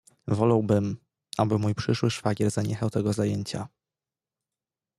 "Wolałbym, aby mój przyszły szwagier zaniechał tego zajęcia."